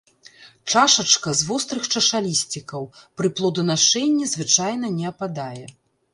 Чашачка з вострых чашалісцікаў, пры плоданашэнні звычайна не ападае.